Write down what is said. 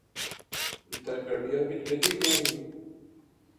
تہ گڈیا وچ بہجی گئیس